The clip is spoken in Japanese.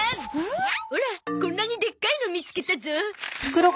オラこんなにでっかいの見つけたゾ。